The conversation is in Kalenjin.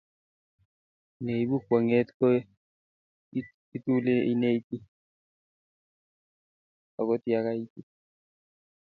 Ne ibu kwong'et ko ituli ineti akot ya kaitit